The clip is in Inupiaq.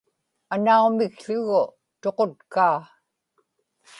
anaumikł̣ugu tuqutkaa